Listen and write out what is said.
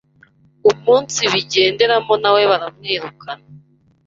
umunsibigenderamo na we baramwirukana